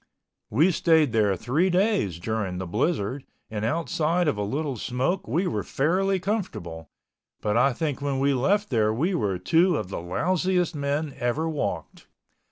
We stayed there three days during the blizzard and outside of a little smoke we were fairly comfortable, but I think when we left there we were two of the lousiest men ever walked.